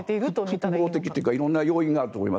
複合的というか色んな要因があると思います。